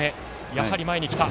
やはり前に来た。